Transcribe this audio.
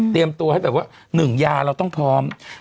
ตัวให้แบบว่า๑ยาเราต้องพร้อม